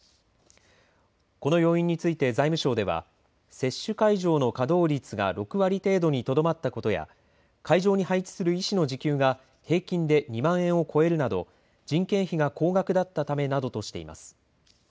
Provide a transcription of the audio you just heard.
この要因について財務省では接種会場の稼働率が６割程度にとどまったことや会場に配置する医師の時給が平均で２万円を超えるなど人件費が高額だったためなどとしています。